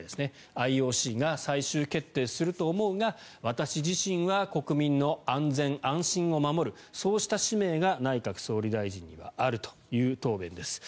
ＩＯＣが最終決定すると思うが私自身は国民の安全安心を守るそうした使命が内閣総理大臣にはあるという答弁です。